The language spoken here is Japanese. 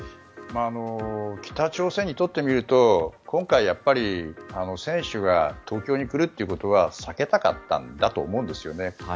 北朝鮮にとってみると今回、選手が東京に来るということは避けたかったんだと思うんですよね。